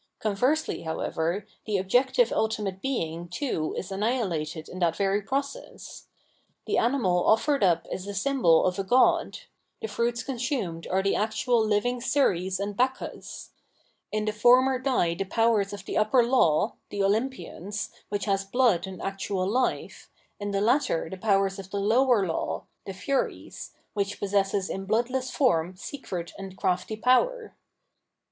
Conversely, however, the objective ultimate Being too is annihilated in that very pro cess. The animal offered up is the symbol of a god ; the fruits consumed are the actual living Ceres and 728 Phenomenology of Mind Bacchus. In the former die the powers of the upper law [the Olympians] which has blood and actual hfe, in the latter the powers of the lower law [the Buries] which possesses in bloodless form secret and crafty power.